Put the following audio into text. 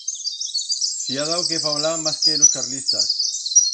Si ha dau que fablar mas que los carlistas!